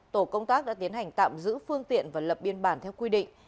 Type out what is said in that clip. tổ công tác đã tiến hành tạm giữ phương tiện và lập biên bản theo quy định